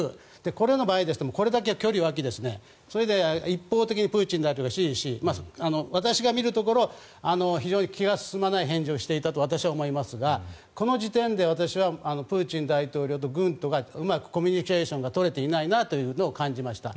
これの場合これだけ距離が開いて一方的にプーチン大統領が指示し私が見るところ非常に気が進まない返事をしていたと私は思いますが、この時点で私はプーチン大統領と軍がうまくコミュニケーションが取れていないなと感じました。